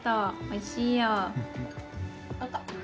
おいしいよ。